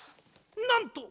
なんと！